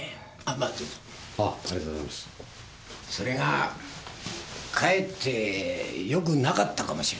それがかえって良くなかったかもしれない。